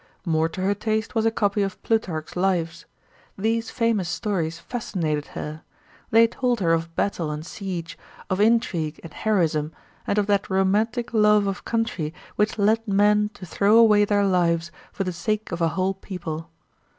More to her taste was a copy of Plutarch's Lives. These famous stories fascinated her. They told her of battle and siege, of intrigue and heroism, and of that romantic love of country which led men to throw away their lives for the sake of a whole people.